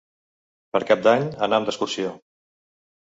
Per Cap d'Any anam d'excursió.